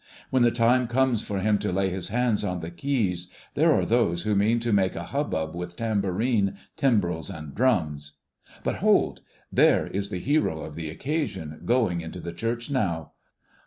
When the time comes for him to lay his hands on the keys, there are those who mean to make a hubbub with tambourines, timbrels, and drums. But hold! there is the hero of the occasion going into the church now.